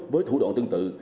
với thủ đoạn tương tự